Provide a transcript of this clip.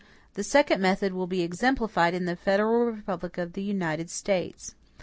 The second method will be exemplified in the federal republic of the United States.